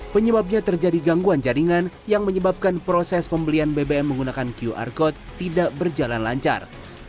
penyebabnya terjadi gangguan jaringan yang menyebabkan proses pembelian bbm menggunakan qr code tidak berjalan lancar